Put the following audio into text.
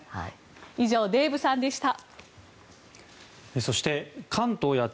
以上、デーブさんでした。